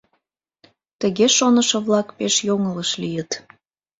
Тыге шонышо-влак пеш йоҥылыш лийыт.